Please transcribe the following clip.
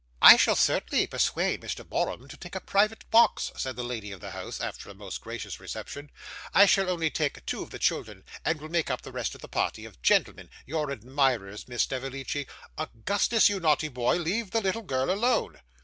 'I shall certainly persuade Mr. Borum to take a private box,' said the lady of the house, after a most gracious reception. 'I shall only take two of the children, and will make up the rest of the party, of gentlemen your admirers, Miss Snevellicci. Augustus, you naughty boy, leave the little girl alone.